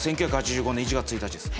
１９８５年１月１日です。